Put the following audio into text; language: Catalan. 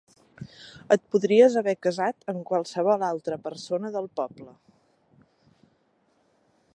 Et podies haver casat amb qualsevol altra persona del poble.